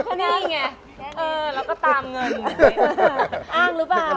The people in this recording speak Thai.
เอ้อเราก็ตามเงิน